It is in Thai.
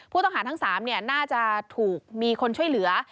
ผู้ต้องหาทั้ง๓น่าจะถูกมีคนช่วยเหลือ